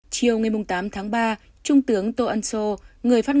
chiều ngày tám tháng ba trung tướng tô ân sô